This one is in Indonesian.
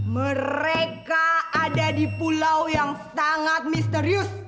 mereka ada di pulau yang sangat misterius